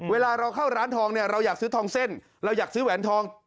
เวลาเราเข้าร้านทองเนี่ยเราอยากซื้อทองเส้นเราอยากซื้อแหวนทอง